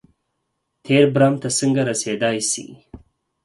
تېر برم ته څنګه رسېدای شي.